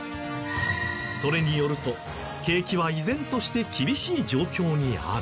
それによると「景気は依然として厳しい状況にある」。